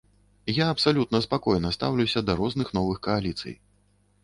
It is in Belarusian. Я абсалютна спакойна стаўлюся да розных новых кааліцый.